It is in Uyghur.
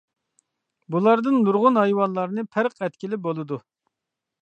بۇلاردىن نۇرغۇن ھايۋانلارنى پەرق ئەتكىلى بولىدۇ.